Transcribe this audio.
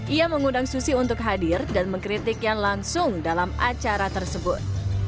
ia mengundang susi untuk hadir dan mengkritiknya langsung dalam acara tersebut